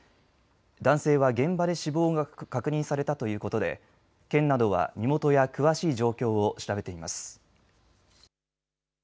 男性は現場で死亡が確認されたということで県などは身元や詳しい状況を調べています。